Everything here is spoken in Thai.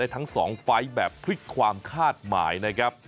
ทั้ง๒ไฟล์แบบพลิกความคาดหมายนะครับ